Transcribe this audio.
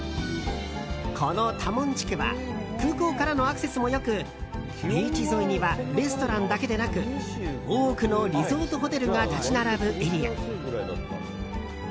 このタモン地区は空港からのアクセスも良くビーチ沿いにはレストランだけでなく多くのリゾートホテルが立ち並ぶエリア。